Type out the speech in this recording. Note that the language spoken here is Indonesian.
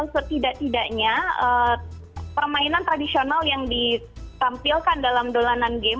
setidak tidaknya permainan tradisional yang ditampilkan dalam dolanan game